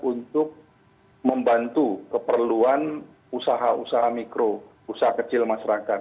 untuk membantu keperluan usaha usaha mikro usaha kecil masyarakat